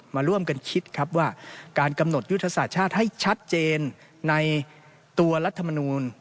มาร่วมกันคิดครับว่าการกำหนดยุทธศาสตร์ชาติให้ชัดเจนในตัวรัฐมนูล